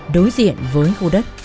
đối diện với khu đất